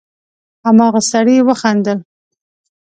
هماغه سړي وخندل: